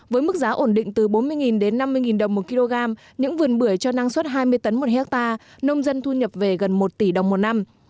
với mức giá ổn định từ bốn mươi đến năm mươi đồng một kg những vườn bưởi cho năng suất hai mươi tấn một hectare nông dân thu nhập về gần một tỷ đồng một năm